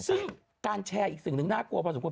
ซึ่งการแชร์อีกสิ่งหนึ่งน่ากลัวพอสมควร